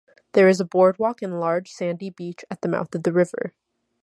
There is a boardwalk and large sandy beach at the mouth of the river.